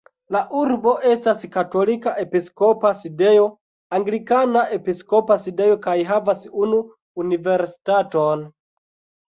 La urbo estas katolika episkopa sidejo, anglikana episkopa sidejo kaj havas unu universitaton.